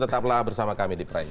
tetaplah bersama kami di prime news